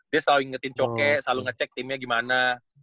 dia selalu ingetin coke selalu ngecek timnya gimana